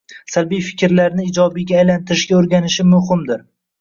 salbiy fikrlarini ijobiyga aylantirishga o‘rganishi muhimdir.